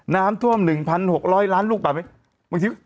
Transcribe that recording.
น้ำท่วม๑๖๐๐ล้านลูกบาทไหม